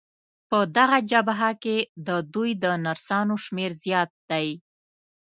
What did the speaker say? په دغه جبهه کې د دوی د نرسانو شمېر زیات دی.